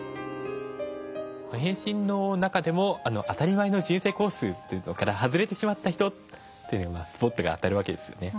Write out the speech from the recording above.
「変身」の中でも当たり前の人生コースから外れてしまった人にスポットが当たるわけですよね。